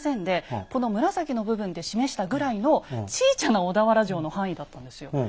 でこの紫の部分で示したぐらいのちいちゃな小田原城の範囲だったんですよ。